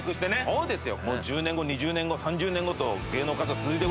そうですね。